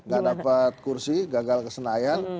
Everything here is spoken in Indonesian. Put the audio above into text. gak dapat kursi gagal kesenayan